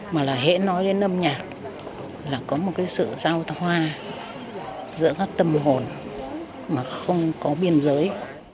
mà là hãy nói đến âm nhạc là có một cái sự giao thoa giữa các tâm hồn mà không có biên giới